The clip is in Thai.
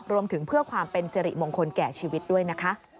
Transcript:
รวมถึงเพื่อความเป็นสิริมงคลแก่ชีวิตด้วยนะคะ